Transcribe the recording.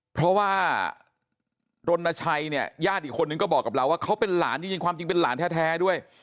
เพราะว่ารณชัยเนี่ยญาติอีกคนนึงก็บอกกับเราว่าเขาเป็นหลานจริงความจริงเป็นหลานแท้ด้วย